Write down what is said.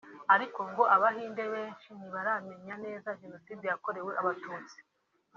ariko ngo Abahinde benshi ntibaramenya neza Jenoside yakorewe Abatutsi